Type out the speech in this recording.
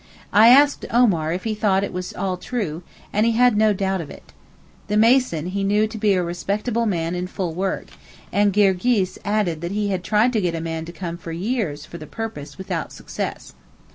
I asked Omar if he thought it was all true, and he had no doubt of it. The mason he knew to be a respectable man in full work, and Girgis added that he had tried to get a man to come for years for the purpose without success.